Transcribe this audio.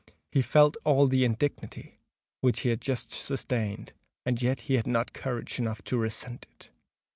He felt all the indignity which he had just sustained—and yet he had not courage enough to resent it.